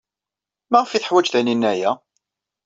Maɣef ay teḥwaj Taninna aya?